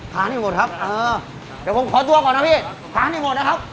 ทานให้หมดครับเออเดี๋ยวผมขอตัวก่อนนะพี่ทานให้หมดนะครับ